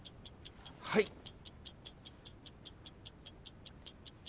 はい。